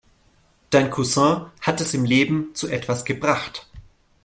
Dein Cousin hat es im Leben zu was gebracht.